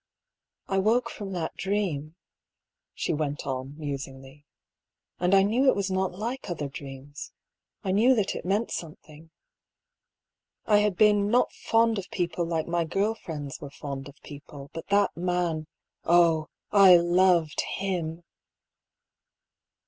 " I woke from that dream," she went on, musingly ;" and I knew it was not like other dreams. I knew that it meant something. I had been not fond of people like my girl friends were fond of people ; but that man, oh ! I loved him